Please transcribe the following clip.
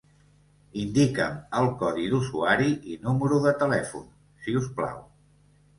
Indica'm el codi d'usuari i número de telèfon, si us plau.